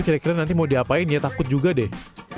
kira kira nanti mau diapain ya takut juga deh